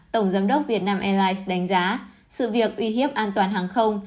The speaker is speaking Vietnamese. tổng giám đốc việt nam airlines đánh giá sự việc uy hiếp an toàn hàng không